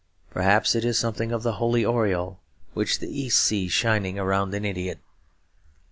Perhaps it is something of the holy aureole which the East sees shining around an idiot.